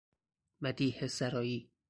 مدیحه سرائی